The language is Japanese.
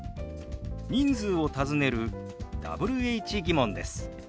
人数を尋ねるＷｈ−疑問です。